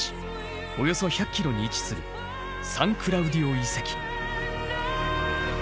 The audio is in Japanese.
およそ１００ｋｍに位置するサン・クラウディオ遺跡。